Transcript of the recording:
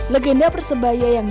legenda persebaya yang jauh